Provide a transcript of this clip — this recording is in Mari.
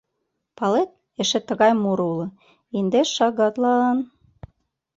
Палет, эше тыгай муро уло — «Индеш шагатлан».